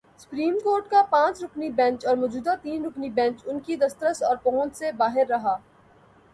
Supreme court کا پانچ رکنی بینچ اور موجودہ تین رکنی بینچ ان کی دسترس اور پہنچ سے باہر رہا۔